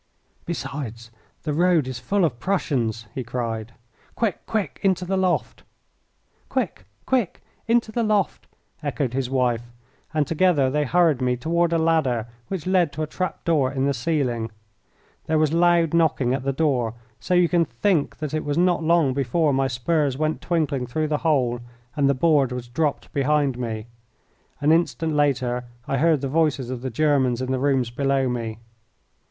"Besides, the road is full of Prussians," he cried. "Quick! quick! into the loft!" "Quick! quick! into the loft!" echoed his wife, and together they hurried me toward a ladder which led to a trap door in the ceiling. There was loud knocking at the door, so you can think that it was not long before my spurs went twinkling through the hole and the board was dropped behind me. An instant later I heard the voices of the Germans in the rooms below me.